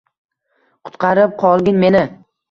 Qutqarib qolgin meni.